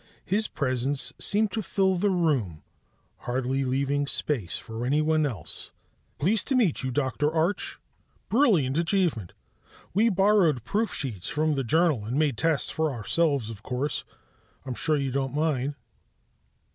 His presence seemed to fill the room, hardly leaving space for anyone else. "Very pleased to meet you, Dr. Arch ... brilliant achievement.... We borrowed proof sheets from the Journal and made tests for ourselves, of course. I'm sure you don't mind.